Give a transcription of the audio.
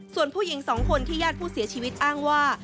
ส่วนผู้หญิง๒คนที่ญาติผู้เสียชีวิตอ้างว่า